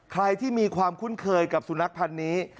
ใครที่มีความคุ้นเคยกับสุนัขพันธ์นี้